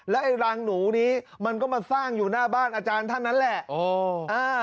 และให้ล้างหนูนี้มันก็มาสร้างอยู่หน้าบ้านอาจารย์นั้นแหละ